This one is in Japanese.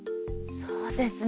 そうですね